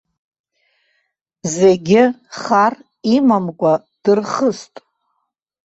Зегьы хар имамкәа дырхыст.